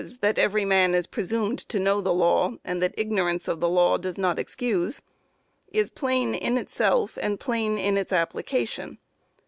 that every man is presumed to know the law, and that ignorance of the law does not excuse,) "is plain in itself and plain in its application.